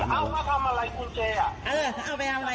เอาไปทำอะไรคุณเจเออเอาไปทำอะไร